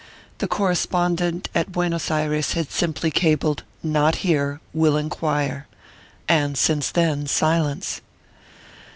The correspondent at Buenos Ayres had simply cabled "Not here. Will enquire" and since then, silence.